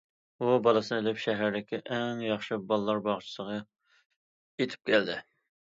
ئۇ بالىسىنى ئېلىپ شەھەردىكى ئەڭ ياخشى بالىلار باغچىسىغا يېتىپ كەلدى.